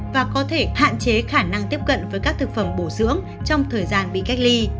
và có thể hạn chế khả năng tiếp cận với các thực phẩm bổ dưỡng trong thời gian bị cách ly